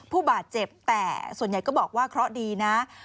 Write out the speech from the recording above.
ผู้บาดเจ็บแต่ส่วนใหญ่ก็บอกว่าเคราะห์ดีนะ